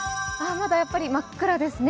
まだやっぱり真っ暗ですね。